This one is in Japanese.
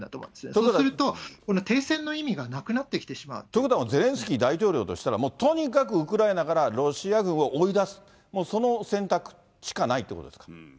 そうすると、停戦の意味がなくなということは、ゼレンスキー大統領としたら、とにかくウクライナからロシア軍を追い出す、もうその選択しかないっていうことですか。